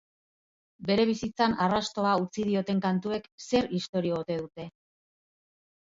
Bere bizitzan arrastoa utzi dioten kantuek zer istorio ote dute?